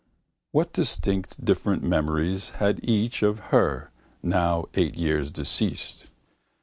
What distinct different memories had each of her now eight years deceased?